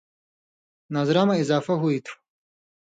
نظرہ مہ اضافہ ہُوئ تُھو۔